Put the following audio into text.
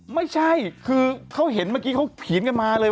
ไม่ใช่คือเขาเห็นเมื่อกี้เขาผีนกันมาเลย